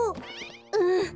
うん。